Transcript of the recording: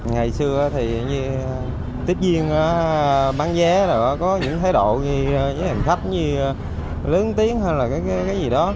ngày xưa thì tiếp viên bán vé có những thái độ ghi hình khách như lớn tiếng hay là cái gì đó